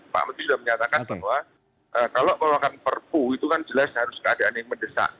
pak menteri sudah menyatakan bahwa kalau mengeluarkan perpu itu kan jelas harus keadaan yang mendesak